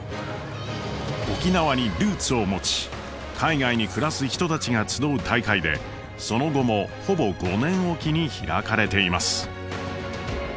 沖縄にルーツを持ち海外に暮らす人たちが集う大会でその後もほぼ５年置きに開かれています。